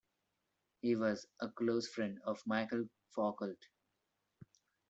He was a close friend of Michel Foucault.